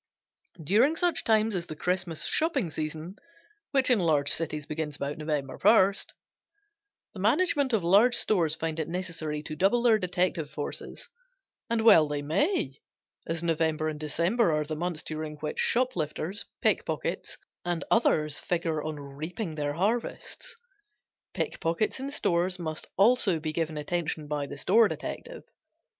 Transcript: During such times as the Christmas shopping season, which in large cities begins about November first, the management of large stores find it necessary to double their detective forces, and well they may, as November and December are the months during which shoplifters, pickpockets and others figure on reaping their harvests. Pickpockets in stores must also be given attention by the store detective.